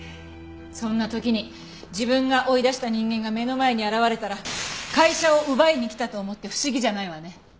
そんな時に自分が追い出した人間が目の前に現れたら会社を奪いに来たと思って不思議じゃないわね。